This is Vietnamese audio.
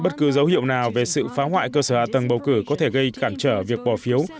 bất cứ dấu hiệu nào về sự phá hoại cơ sở hạ tầng bầu cử có thể gây cản trở việc bỏ phiếu